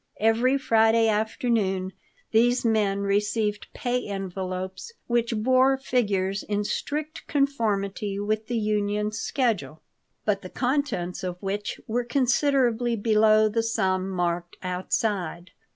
Every Friday afternoon these men received pay envelopes which bore figures in strict conformity with the union's schedule, but the contents of which were considerably below the sum marked outside.